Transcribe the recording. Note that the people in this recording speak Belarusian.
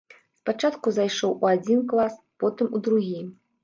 Спачатку зайшоў у адзін клас, потым у другі.